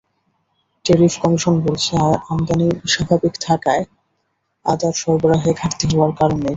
Tariff commission বলছে, আমদানি স্বাভাবিক থাকায় আদার সরবরাহে ঘাটতি হওয়ার কারণ নেই।